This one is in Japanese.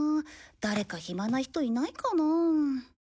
誰か暇な人いないかなあ。